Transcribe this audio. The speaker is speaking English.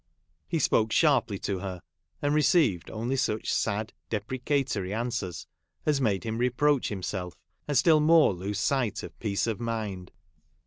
He spoke sharply to her, and received only such sad deprecatory an swers as made him reproach himself, and still more lose sight of peace of mind.